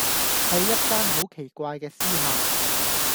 係一間好奇怪嘅私校⠀